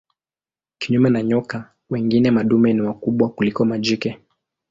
Kinyume na nyoka wengine madume ni wakubwa kuliko majike.